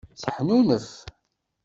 Seḥnunef.